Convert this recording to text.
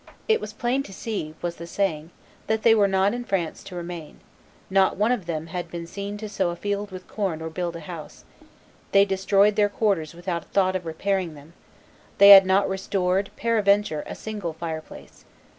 "It was plain to see," was the saving, "that they were not in France to remain; not one of them had been seen to sow a field with corn or build a house; they destroyed their quarters without a thought of repairing them; they had not restored, peradventure, a single fireplace.